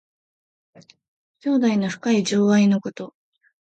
兄弟の深い情愛のこと。